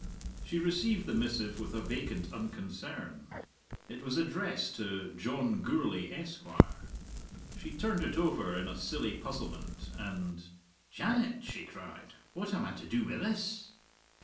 She received the missive with a vacant unconcern. It was addressed to "John Gourlay, Esquire." She turned it over in a silly puzzlement, and, "Janet!" she cried, "what am I to do wi' this?"